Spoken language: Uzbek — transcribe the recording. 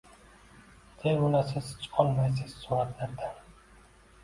Termulasiz chiqolmaysiz suratlardan